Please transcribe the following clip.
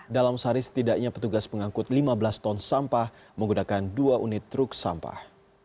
dalam sehari setidaknya petugas mengangkut lima belas ton sampah menggunakan dua unit truk sampah